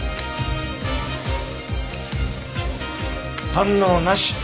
反応なし。